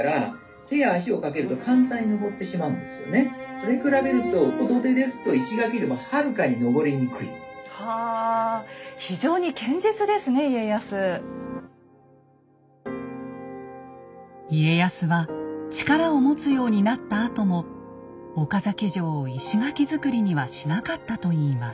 それに比べると家康は力を持つようになったあとも岡崎城を石垣造りにはしなかったといいます。